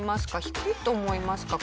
低いと思いますか？